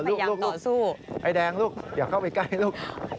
ลูกสู้ไอ้แดงลูกอย่าเข้าไปใกล้ลูก